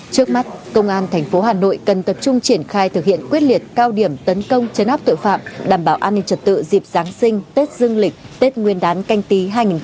trước mắt công an tp hà nội cần tập trung triển khai thực hiện quyết liệt cao điểm tấn công chấn áp tội phạm đảm bảo an ninh trật tự dịp giáng sinh tết dương lịch tết nguyên đán canh tí hai nghìn hai mươi